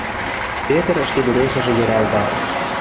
Петр ӹшкедурешӹжӹ йӹрӓлтӓ: